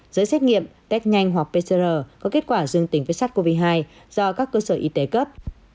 giấy xét nghiệm test nhanh hoặc pcr có kết quả dương tính với sars cov hai do các cơ sở y tế cấp